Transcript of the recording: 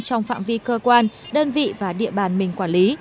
trong phạm vi cơ quan đơn vị và địa bàn mình quản lý